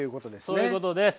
そういうことです。